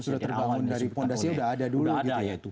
sudah terbangun dari fondasi sudah ada dulu gitu ya